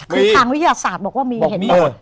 คือทางวิทยาศาสตร์บอกว่ามีบอกมีเหรอ